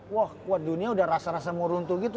wah dunia udah rasa rasa muruntu gitu